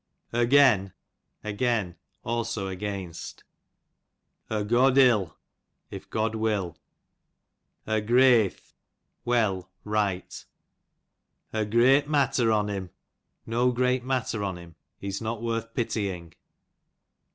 Ogen, again; also against. Ogodclil, if God will. Ogreath, well, right. Ogreyt mattef on ina, no great matter on him, he^s not worth pitying.